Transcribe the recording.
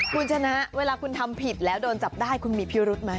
คุณชนะเวลาคุณทำผิดแล้วโดนจับได้คุณมีพิรุธไหม